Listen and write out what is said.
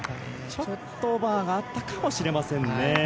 ちょっとオーバーがあったかもしれませんね。